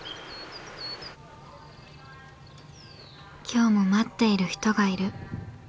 今日も待っている人がいる。